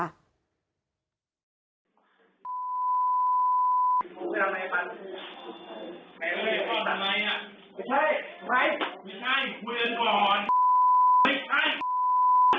แล้วเตรียมเกลียดมาหลาย